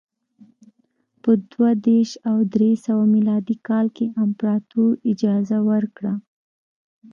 په دوه دېرش او درې سوه میلادي کال کې امپراتور اجازه ورکړه